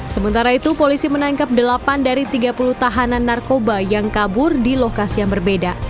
sementara itu polisi menangkap delapan dari tiga puluh tahanan narkoba yang kabur di lokasi yang berbeda